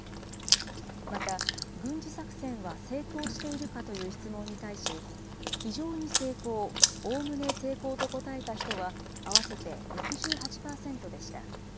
また、軍事作戦は成功しているかという質問に対し、非常に成功、おおむね成功と答えた人は合わせて６８％でした。